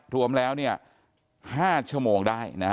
รวมแล้ว๕ชั่วโมงได้